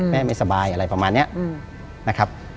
ไม่สบายอะไรประมาณนี้นะครับ